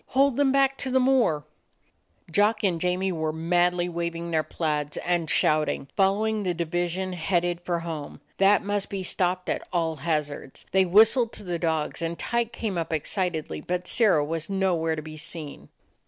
Hold them back to the moor !" Jock and Jamie were madly waving their plaids and shouting, following the division headed for home. That must be stopped at all hazards. They whistled to the dogs, and Tyke came up excitedly; but Sirrah was no where to be seen.